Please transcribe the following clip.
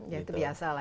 ya itu biasa lah